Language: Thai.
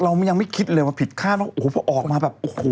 เรายังไม่คิดเลยว่าผิดค่าโอ้โหเพราะออกมาแบบโอ้โห